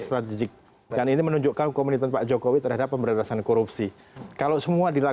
strategik dan ini menunjukkan komitmen pak jokowi terhadap pemberantasan korupsi kalau semua dilakukan